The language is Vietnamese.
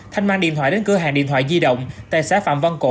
thanh mang điện thoại đến cửa hàng điện thoại di động tại xã phạm văn cổ